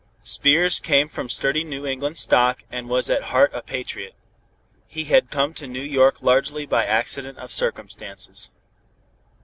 Spears came from sturdy New England stock and was at heart a patriot. He had come to New York largely by accident of circumstances.